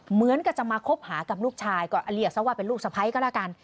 เหมือนกับจะมาคบหากับลูกชายก็เรียกซะว่าเป็นลูกสะพ้ายก็แล้วกัน